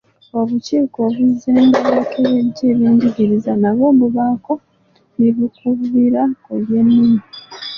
Obukiiko obuzzenga bwekebejja ebyenjigiriza nabwo bubaako ne bye bukubira ku by’ennimi.